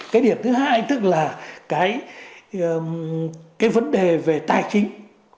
cái điểm thứ hai tức là cái vấn đề về tài chính